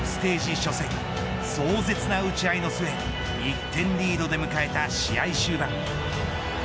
初戦壮絶な打ち合いの末１点リードで迎えた試合終盤。